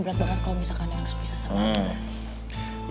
berat banget kalau misalkan neng harus pisah sama abah